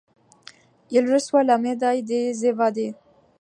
Il reçoit la médaille des évadés.